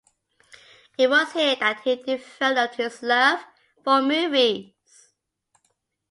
It was here that he developed his love for movies.